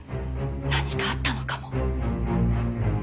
何かあったのかも。